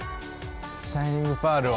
シャイニングパールを。